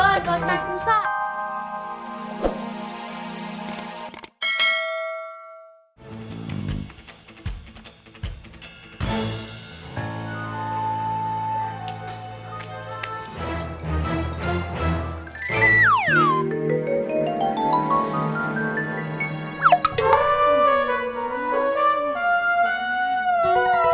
woi pak ustadz rusak